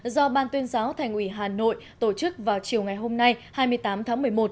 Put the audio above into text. do ban tuyên giáo thành ủy hà nội tổ chức vào chiều ngày hôm nay hai mươi tám tháng một mươi một